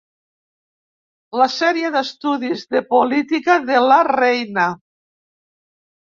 La sèrie d'estudis de política de la Reina.